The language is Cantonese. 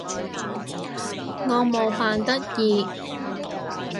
我冇扮得意